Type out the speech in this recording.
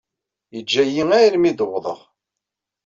Yeṛǧa-iyi armi i d-wwḍeɣ.